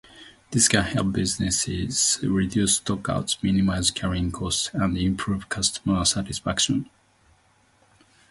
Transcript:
This can help businesses reduce stockouts, minimize carrying costs, and improve customer satisfaction.